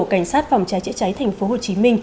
cảnh sát phòng trái chế cháy tp hcm